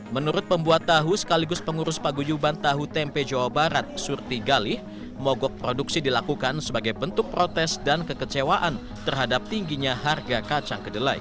menurut pembuat tahu sekaligus pengurus paguyuban tahu tempe jawa barat surti galih mogok produksi dilakukan sebagai bentuk protes dan kekecewaan terhadap tingginya harga kacang kedelai